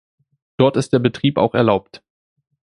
Dort ist der Betrieb auch erlaubt.